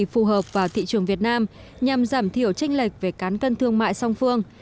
phù hợp vào thị trường việt nam nhằm giảm thiểu tranh lệch về cán cân thương mại song phương